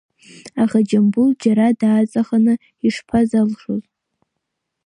Аха Џьамбул џьара дааҵаханы шԥазалшоз.